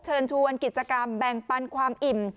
เชิญชวนกิจกรรมแบ่งปันความอิ่ม